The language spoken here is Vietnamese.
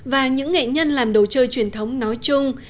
và những nghệ nhân làm đồ chơi truyền thống nói chung